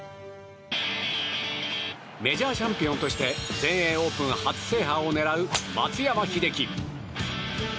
メジャーチャンピオンとして全英オープン初制覇を狙う松山英樹。